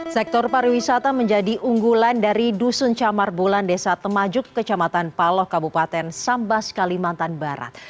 sektor pariwisata menjadi unggulan dari dusun camar bulan desa temajuk kecamatan paloh kabupaten sambas kalimantan barat